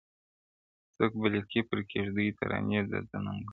• څوک به لیکي پر کیږدیو ترانې د دنګو ښکلیو -